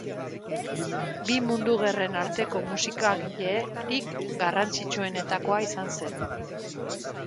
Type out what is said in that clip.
Bi Mundu Gerren arteko musikagilerik garrantzitsuenetakoa izan zen.